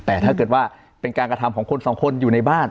แต่ถ้าเกิดว่าเป็นการกระทำของคนสองคนอยู่ในบ้าน